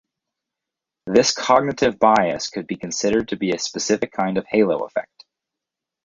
This cognitive bias could be considered to be a specific kind of halo effect.